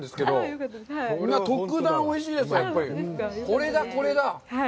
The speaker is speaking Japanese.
これだ、これだ。